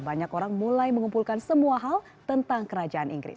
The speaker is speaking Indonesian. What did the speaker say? banyak orang mulai mengumpulkan semua hal tentang kerajaan inggris